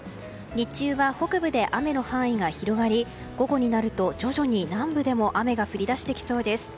日中は北部で雨の範囲が広がり午後になると徐々に南部でも雨が降り出してきそうです。